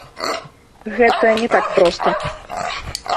Гэта не так проста.